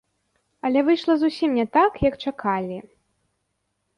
Але выйшла зусім не так, як чакалі.